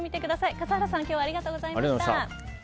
笠原さん、今日はありがとうございました。